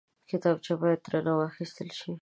کتابچه باید درنه واخیستل شي